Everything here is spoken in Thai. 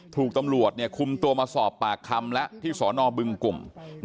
ถูกตำรวจเนี่ยคุมตัวมาสอบปากคำแล้วที่สอนอบึงกลุ่ม